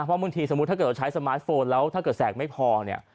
เพราะบางทีสมมุติถ้าเกิดเราใช้สมาร์ทโฟนแล้วถ้าเกิดแสกไม่พอเนี่ย